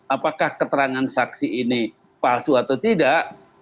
apakah keterangan saksi ini palsu atau tidak